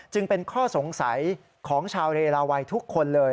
จึงเป็นข้อสงสัยของชาวเรลาวัยทุกคนเลย